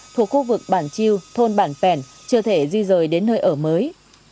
thuộc khu vực bản chiêu thôn bản pèn chưa thể di rời đến nơi ở mới